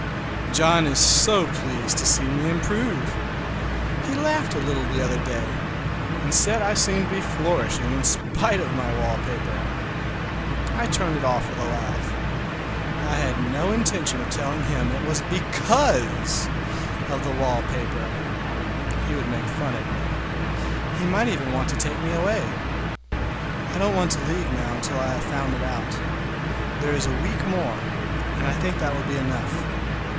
John is so pleased to see me improve! He laughed a little the other day, and said I seemed to be flourishing in spite of my wallpaper. I turned it off with a laugh. I had no intention of telling him it was because of the wallpaper—he would make fun of me. He might even want to take me away. I don't want to leave now until I have found it out. There is a week more, and I think that will be enough.